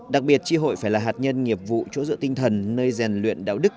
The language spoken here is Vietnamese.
đặc biệt tri hội phải là hạt nhân nghiệp vụ chỗ dựa tinh thần nơi rèn luyện đạo đức